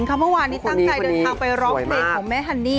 เมื่อวานนี้ตั้งใจเดินทางไปร้องเพลงของแม่ฮันนี่